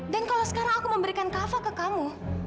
dan kalau sekarang aku memberikan kava ke kamu